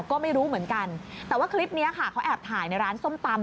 ก็ไม่รู้เหมือนกันแต่ว่าคลิปนี้ค่ะเขาแอบถ่ายในร้านส้มตำ